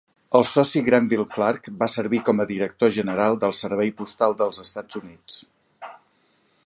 El soci Grenville Clark va servir com a director general del Servei Postal dels Estats Units.